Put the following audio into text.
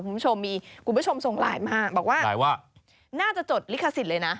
คุณผู้ชมส่งหลายมากบอกว่าน่าจะจดลิขสิทธิ์เลยนะ